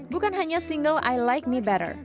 bukan hanya single i like me better